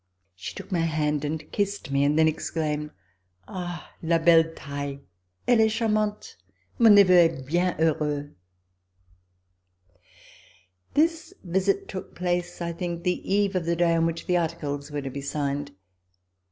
She took my hand and kissed me and then exclaimed: "Ah! la belle taille! EUe est charmante. Mon neveu est bien heureux!" This visit took place, I think, the eve of the day on which the articles were to be signed.